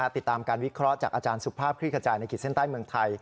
ติดตามการวิเคราะห์จากอาจารย์สุภาพคลี่ขจายในขีดเส้นใต้เมืองไทย